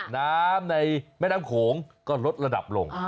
น้ำในแม่น้ำโขงก็ลดระดับลง